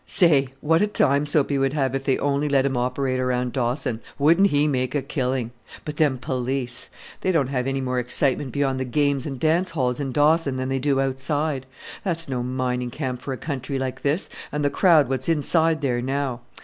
"Say! what a time Soapy would have if they only let him operate around Dawson wouldn't he make a killing! But them police! They don't have any more excitement beyond the games and dance halls in Dawson than they do outside. That's no mining camp for a country like this, and the crowd what's inside there now.